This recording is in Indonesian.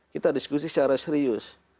kita diskusi secara serius